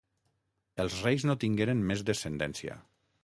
Els reis no tingueren més descendència.